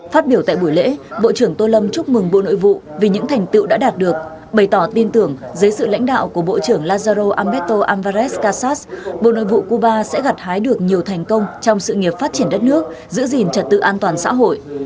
phát biểu tại buổi lễ bộ trưởng tô lâm chúc mừng bộ nội vụ vì những thành tựu đã đạt được bày tỏ tin tưởng dưới sự lãnh đạo của bộ trưởng lazaro amberto alvarez kassas bộ nội vụ cuba sẽ gặt hái được nhiều thành công trong sự nghiệp phát triển đất nước giữ gìn trật tự an toàn xã hội